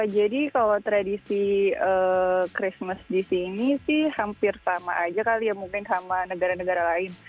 jadi kalau tradisi christmas di sini sih hampir sama aja kali ya mungkin sama negara negara lain